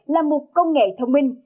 là một công nghệ thông minh